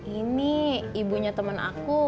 ini ibunya temen aku